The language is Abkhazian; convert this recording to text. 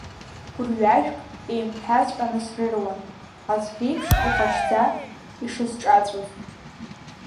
Гәырҩашәк еимгәҳәаҵәҟьаны срыруан, аӡӷьеиԥш ихәашьӡа ишысҿаҵәоз.